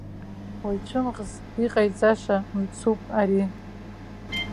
Уаҩ цәымӷс иҟаиҵаша мцуп ари!